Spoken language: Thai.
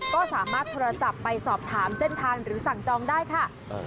ก็สามารถโทรศัพท์ไปสอบถามเส้นทางหรือสั่งจองได้ค่ะ